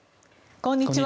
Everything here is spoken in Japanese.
こんにちは。